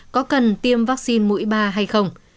có cần tiêm vaccine mũi ba hay không